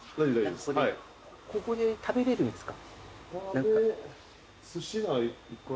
ここで食べれるんですか？